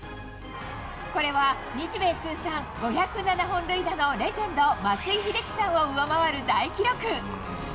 これは日米通算５０７本塁打のレジェンド、松井秀喜さんを上回る大記録。